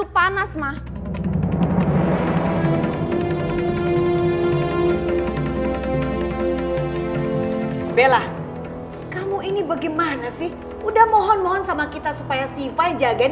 panas mah bella kamu ini bagaimana sih udah mohon mohon sama kita supaya siva jagain